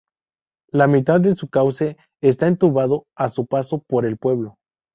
La mitad de su cauce está entubado a su paso por el pueblo.